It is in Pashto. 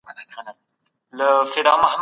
ښه ذهنیت غوسه نه خپروي.